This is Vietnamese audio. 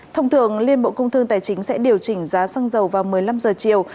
thông thường liên bộ công thương tài chính sẽ điều chỉnh giá xăng dầu vào một mươi năm giờ chiều